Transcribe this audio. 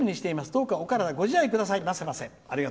どうか、お体ご自愛くださいませませ」。